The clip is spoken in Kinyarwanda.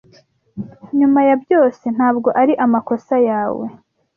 nyuma ya byose ntabwo ari amakosa yawe